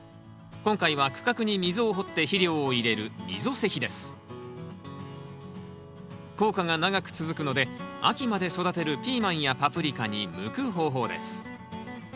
今回は区画に溝を掘って肥料を入れる効果が長く続くので秋まで育てるピーマンやパプリカに向く方法です。